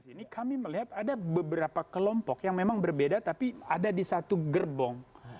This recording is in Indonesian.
ini kami melihat ada beberapa kelompok yang memang berbeda tapi ada di satu gerbong